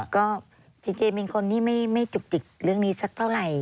ก็จริงเป็นคนที่ไม่จุกจิกเรื่องนี้สักเท่าไหร่